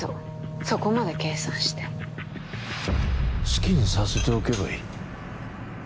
そこまで計算して好きにさせておけばいい